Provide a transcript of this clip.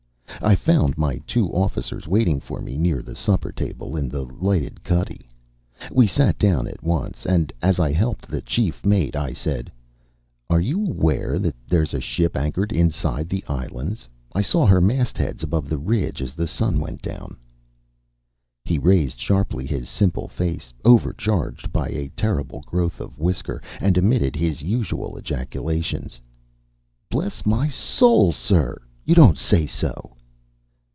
I found my two officers waiting for me near the supper table, in the lighted cuddy. We sat down at once, and as I helped the chief mate, I said: "Are you aware that there is a ship anchored inside the islands? I saw her mastheads above the ridge as the sun went down." He raised sharply his simple face, overcharged by a terrible growth of whisker, and emitted his usual ejaculations: "Bless my soul, sir! You don't say so!"